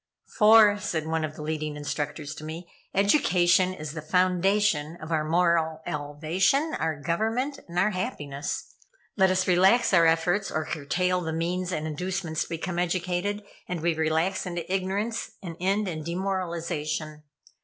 "For," said one of the leading instructors to me, "education is the foundation of our moral elevation, our government, our happiness. Let us relax our efforts, or curtail the means and inducements to become educated, and we relax into ignorance, and end in demoralization.